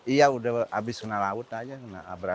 iya sudah habis kena laut saja kena abrasi